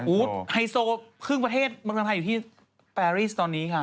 อู๊ไฮโซครึ่งประเทศเมืองกำลังไทยอยู่ที่แพริสตอนนี้ค่ะ